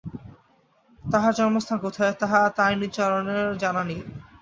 তাঁহার জন্মস্থান কোথায়, তাহা তারিণীচরণের জানা নাই।